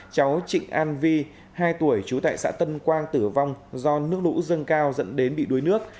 cháu trịnh an vi hai tuổi trú tại xã tân quang tử vong do nước lũ dâng cao dẫn đến bị đuối nước